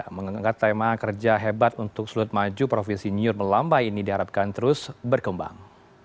mengangkat tema kerja hebat untuk sudut maju provinsi nyur melambai ini diharapkan terus berkembang